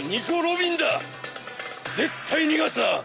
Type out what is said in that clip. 絶対逃がすな。